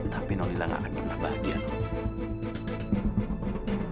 tapi nonnila gak akan pernah bahagia non